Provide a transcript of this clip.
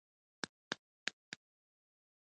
ما وویل چې په جبهه کې وم همداسې مې کول.